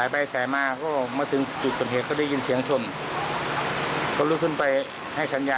มีอาการน้องนิ่มหน่อย